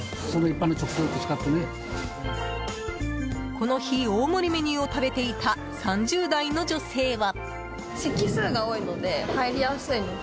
この日、大盛りメニューを食べていた３０代の女性は。